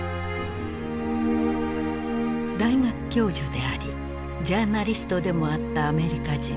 大学教授でありジャーナリストでもあったアメリカ人